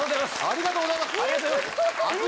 ありがとうございます。